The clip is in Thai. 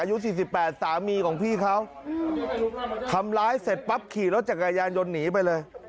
อายุสี่สิบแปดสามีของพี่เขาทำร้ายเสร็จปั๊บขี่รถจักรยานยนต์หนีไปเลย